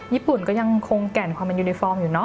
ญี่ปุ่นก็ยังคงแก่นความเป็นยูนิฟอร์มอยู่เนอ